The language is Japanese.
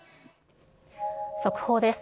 速報です。